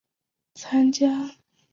参加长征。